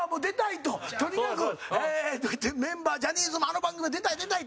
とにかく、メンバージャニーズもあの番組、出たい出たいって。